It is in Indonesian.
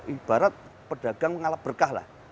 ibarat pedagang mengalami berkah lah